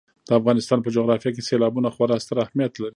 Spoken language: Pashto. د افغانستان په جغرافیه کې سیلابونه خورا ستر اهمیت لري.